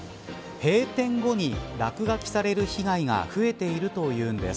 閉店後に落書きされる被害が増えているというのです。